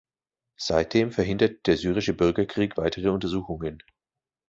Seitdem verhindert der syrische Bürgerkrieg weitere Untersuchungen.